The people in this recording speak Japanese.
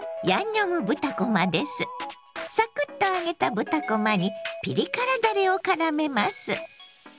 サクッと揚げた豚こまにピリ辛だれをからめます。